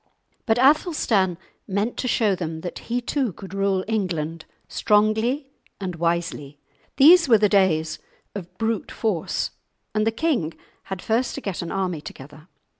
But Athelstan meant to show them that he too could rule England strongly and wisely. These were the days of brute force, and the king had first to get an army together.